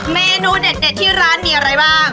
เมนูเด็ดที่ร้านมีอะไรบ้าง